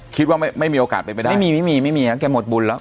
คิดว่าไม่ไม่มีโอกาสไปไม่ได้ไม่มีไม่มีไม่มีแค่หมดบุญแล้ว